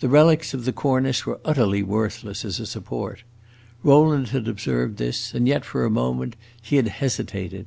The relics of the cornice were utterly worthless as a support. Rowland had observed this, and yet, for a moment, he had hesitated.